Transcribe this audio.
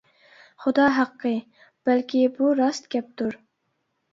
خۇدا ھەققى بەلكى بۇ راست گەپتۇر.